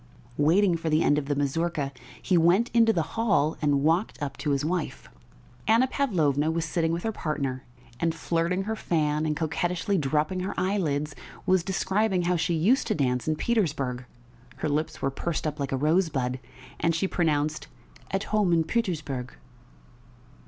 Waiting for the end of the mazurka, he went into the hall and walked up to his wife. Anna Pavlovna was sitting with her partner, and, flirting her fan and coquettishly dropping her eyelids, was describing how she used to dance in Petersburg (her lips were pursed up like a rosebud, and she pronounced "at home in Pütürsburg").